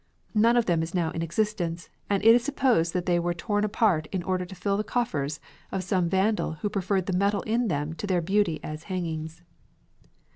None of them is now in existence, and it is supposed that they were torn apart in order to fill the coffers of some vandal who preferred the metal in them to their beauty as hangings.